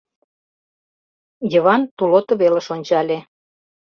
Йыван тулото велыш ончале.